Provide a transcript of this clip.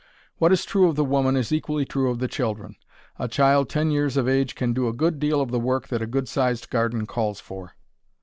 What is true of the woman is equally true of the children. A child ten years of age can do a good deal of the work that a good sized garden calls for.